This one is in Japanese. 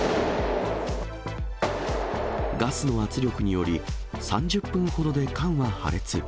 ガスの圧力により、３０分ほどで缶は破裂。